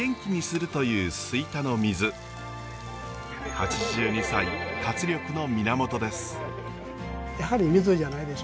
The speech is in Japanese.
８２歳活力の源です。